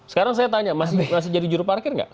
sekarang saya tanya masih jadi juru parkir nggak